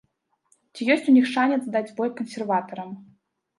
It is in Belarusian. Ці ёсць у іх шанец даць бой кансерватарам?